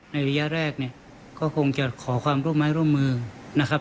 ระยะแรกเนี่ยก็คงจะขอความร่วมมือไม้ร่วมมือนะครับ